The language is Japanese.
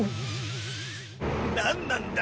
なんなんだ！？